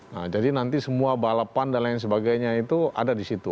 nah jadi nanti semua balapan dan lain sebagainya itu ada di situ